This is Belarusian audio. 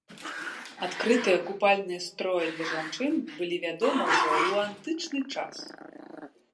Адкрытыя купальныя строі для жанчын былі вядомы ўжо ў антычны час.